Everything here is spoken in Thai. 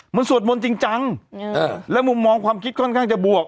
มันสวดมนต์จริงจังแล้วมุมมองความคิดค่อนข้างจะบวก